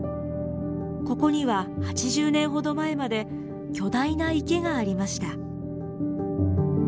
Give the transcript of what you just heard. ここには８０年ほど前まで巨大な池がありました。